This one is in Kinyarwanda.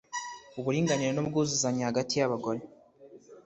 uburinganire n ubwuzuzanye hagati y abagore